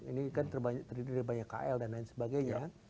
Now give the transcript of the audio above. ini kan terdiri dari banyak kl dan lain sebagainya